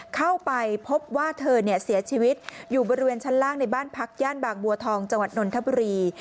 เข้าไปพบว่าเธอเสียชีวิตอยู่บริเวณชั้นล่างในบ้านพักย่านบางบัวทองจังหวัดนนทบุรี